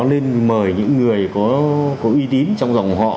lên mời những người có uy tín trong dòng họ